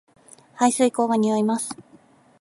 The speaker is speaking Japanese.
排水溝が臭います